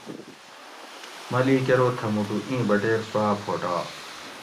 ملیک ارو تھہ موٹو ایں بٹیر سوا پھوٹا